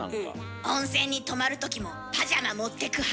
温泉に泊まるときもパジャマ持ってく派。